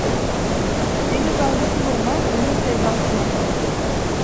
Deniz dalgasız olmaz, gönül sevdasız olmaz.